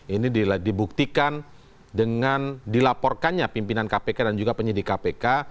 ini dibuktikan dengan dilaporkannya pimpinan kpk dan juga penyidik kpk